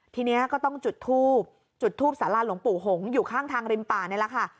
ทีนี้ก็ต้องจุดทูบจุดทูบสาราหลวงปู่หงอยู่ข้างทางริมป่านี่แหละค่ะ